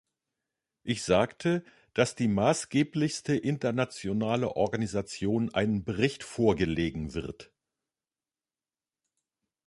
Ich sagte, dass die maßgeblichste internationale Organisation einen Bericht vorgelegen wird.